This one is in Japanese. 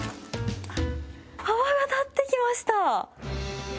泡が立ってきました。